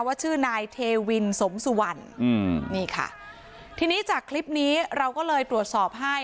ชื่อนายเทวินสมสุวรรณอืมนี่ค่ะทีนี้จากคลิปนี้เราก็เลยตรวจสอบให้